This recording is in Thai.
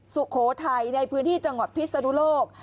สุโขทัยในพื้นที่จังหวัดพิศนุโลก